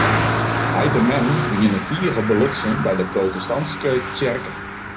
Heit en mem wiene tige belutsen by de protestantske tsjerke.